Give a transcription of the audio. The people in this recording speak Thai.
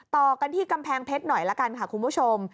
ต่อกันที่กำแพงเพชรหน่อยละกันค่ะคุณผู้ชม